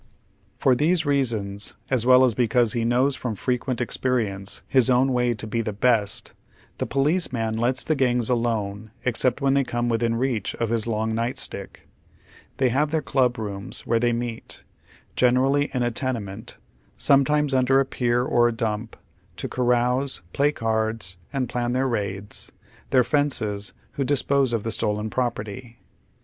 For these reasons, aa well as because he knows from fre quent experience his own way to be the best, the police man lets the gangs alone except when they come within reacli of liis long night stick. They have their "ehib rooms" where they meet, generally in a tenement, some times under a pier or a dump, to carouse, play cards, and plan their raids ; their " fences," who dispose of the stolen property.